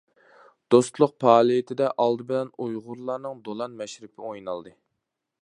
دوستلۇق پائالىيىتىدە ئالدى بىلەن ئۇيغۇرلارنىڭ دولان مەشرىپى ئوينالدى.